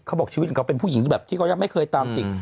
เขาบอกชีวิตของเขาเป็นผู้หญิงแบบที่เขายังไม่เคยตามจิก